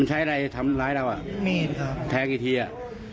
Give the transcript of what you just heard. มันใช้อะไรให้ทำร้ายเราแทงกี่ทีอ่ะ